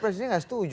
presiden nggak setuju